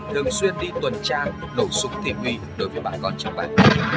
thường xuyên đi tuần trang nổ súng thị huy đối với bà con trường bản